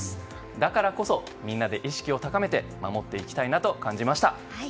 だからこそみんなで意識を高めて守っていきたいなと感じました。